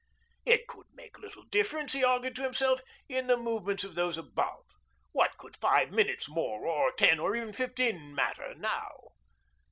It could make little difference, he argued to himself, in the movements of those above. What could five minutes more, or ten, or even fifteen, matter now?